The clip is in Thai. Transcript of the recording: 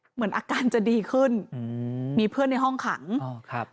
เหมือนอาการจะดีขึ้นอืมมีเพื่อนในห้องขังอ๋อครับ